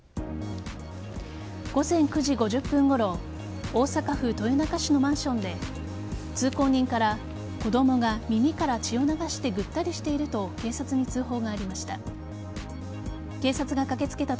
午前９時５０分ごろ大阪府豊中市のマンションで通行人から子供が耳から血を流してぐったりしていると警察に通報がありました。